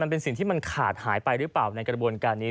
เป็นสิ่งที่มันขาดหายไปหรือเปล่าในกระบวนการนี้